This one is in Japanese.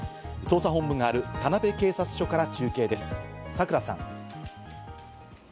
捜査本部がある田辺警察署から中継です、櫻さん。